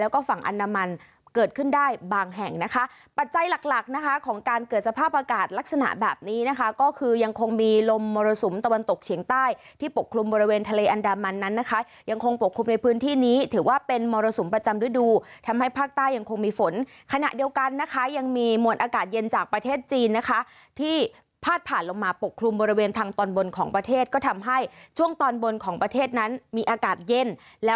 เกิดขึ้นได้บางแห่งนะคะปัจจัยหลักนะคะของการเกิดสภาพอากาศลักษณะแบบนี้นะคะก็คือยังคงมีลมมรสุมตะวันตกเฉียงใต้ที่ปกคลุมบริเวณทะเลอันดามันนั้นนะคะยังคงปกคลุมในพื้นที่นี้ถือว่าเป็นมรสุมประจำฤดูทำให้ภาคใต้ยังคงมีฝนขณะเดียวกันนะคะยังมีมวลอากาศเย็นจากประเทศจีน